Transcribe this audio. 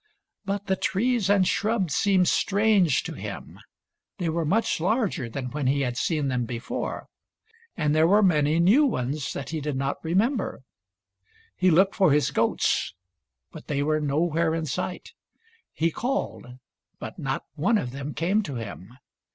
But the trees and shrubs seemed strange to him — they were much larger than when he had seen them before, and there were many new ones that he did not remember. He looked for his goats, but they were nowhere in sight. He called, but not one of them came to him.